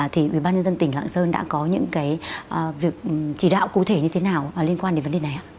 thì ubnd tỉnh lạng sơn đã có những cái việc chỉ đạo cụ thể như thế nào liên quan đến vấn đề này ạ